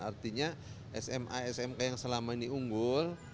artinya sma smk yang selama ini unggul